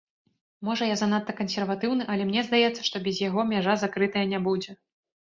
Можа, я занадта кансерватыўны, але мне здаецца, што без яго мяжа закрытая не будзе.